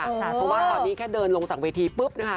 เพราะว่าตอนนี้แค่เดินลงจากเวทีปุ๊บนะคะ